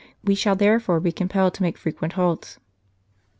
We shall therefore be com pelled to make frequent halts."